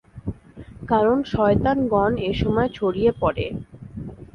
কারণ শয়তানগণ এ সময়ে ছড়িয়ে পড়ে।